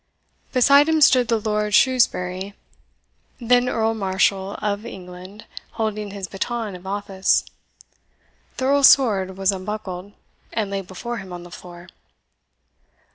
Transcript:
Beside him stood the Lord Shrewsbury, then Earl Marshal of England, holding his baton of office. The Earl's sword was unbuckled, and lay before him on the floor.